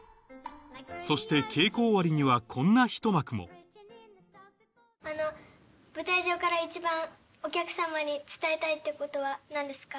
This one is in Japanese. そして稽古終わりにはこんなひと幕も舞台上から一番お客さまに伝えたいことは何ですか？